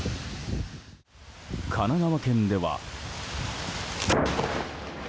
神奈川県では。